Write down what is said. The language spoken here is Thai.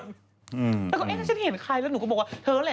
แล้วก็เอ๊ะฉันเห็นใครแล้วหนูก็บอกว่า